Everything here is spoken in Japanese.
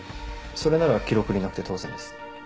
それなら記録になくて当然です。